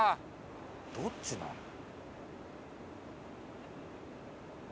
どっちなんだ？